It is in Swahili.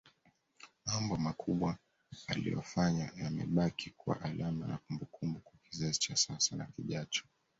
Mambo makubwa aliyoyafanya yamebaki kuwa alama na kumbukumbua kwa kizazi cha sasa na kijacho